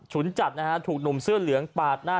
จัดนะฮะถูกหนุ่มเสื้อเหลืองปาดหน้า